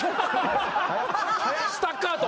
スタッカート。